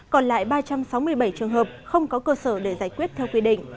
còn lại ba trăm sáu mươi bảy trường hợp không có cơ sở để giải quyết theo quy định